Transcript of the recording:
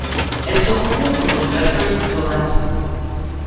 Elle se rencontre dans le bassin du Khorat.